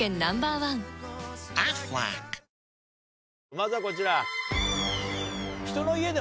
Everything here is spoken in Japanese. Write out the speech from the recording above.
まずはこちら。